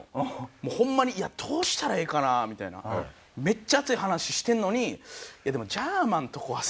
もうホンマに「いやどうしたらええかな」みたいな。めっちゃ熱い話してるのに。